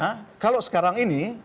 karena kalau sekarang ini